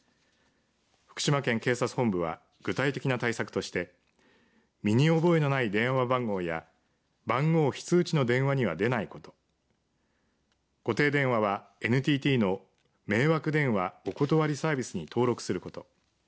福島県警察本部は具体的な対策として身に覚えのない電話番号や番号非通知の電話には出ないこと固定電話はＮＴＴの迷惑電話おことわりサービスに登録すること。